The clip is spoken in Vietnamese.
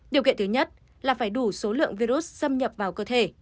điều kiện thứ nhất là phải đủ số lượng virus xâm nhập vào cơ thể